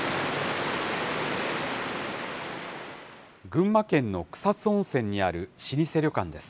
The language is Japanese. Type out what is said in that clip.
群馬県の草津温泉にある老舗旅館です。